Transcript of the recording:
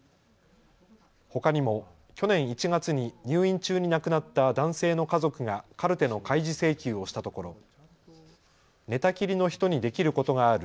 ほかにも去年１月に入院中に亡くなった男性の家族がカルテの開示請求をしたところ寝たきりの人にできることがある